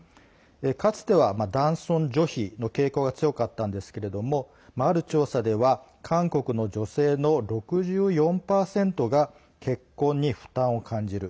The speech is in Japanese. かつては男尊女卑の傾向が強かったんですけれどもある調査では韓国の女性の６４％が結婚に負担を感じる。